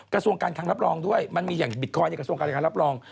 กระทรวงการคังรับรองด้วยมันมีอย่างบิตคอยนในกระทรวงการคังรับรอง